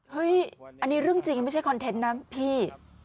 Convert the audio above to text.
อันนี้เรื่องจริงไม่ใช่คอนเทนต์นะพี่